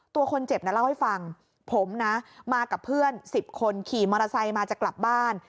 ตัวคนเจ็บน่ะเล่าให้ฟังผมนะมากับเพื่อน๑๐คนขี่มอเตอร์ไซค์มาจะกลับบ้าน